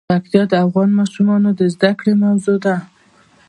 پکتیا د افغان ماشومانو د زده کړې موضوع ده.